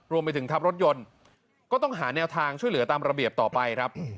รวมไปถึงทัพรถยนต์ก็ต้องหาแนวทางช่วยเหลือตามระเบียบต่อไปครับ